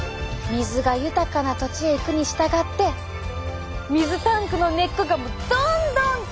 水が豊かな土地へ行くに従って水タンクの根っこがどんどん巨大化！